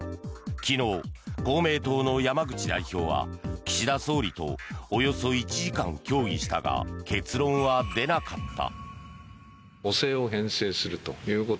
昨日、公明党の山口代表は岸田総理とおよそ１時間協議したが結論は出なかった。